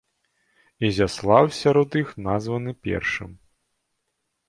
Ізяслаў сярод іх названы першым.